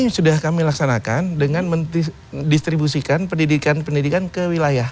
ini sudah kami laksanakan dengan mendistribusikan pendidikan pendidikan ke wilayah